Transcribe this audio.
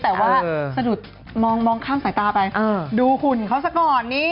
แต่ว่าสะดุดมองข้ามสายตาไปดูหุ่นเขาซะก่อนนี่